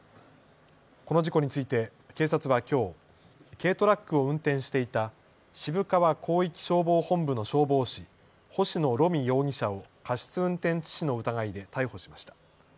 この事故について警察はきょう、軽トラックを運転していた渋川広域消防本部の消防士、星野蕗海容疑者を過失運転致死の疑いで逮捕しました。